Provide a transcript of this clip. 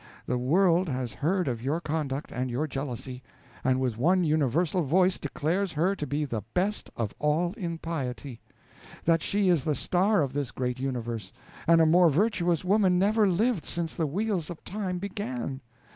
The world has heard of your conduct and your jealousy, and with one universal voice declares her to be the best of all in piety; that she is the star of this great universe, and a more virtuous woman never lived since the wheels of time began.